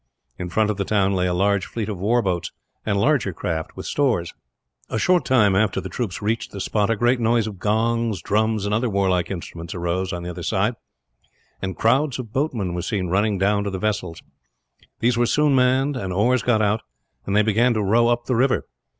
In front of the town lay a large fleet of war boats, and larger craft with stores. A short time after the troops reached the spot, a great noise of gongs, drums, and other warlike instruments arose on the other side, and crowds of boatmen were seen running down to the vessels. These were soon manned, and oars got out, and they began to row up the river.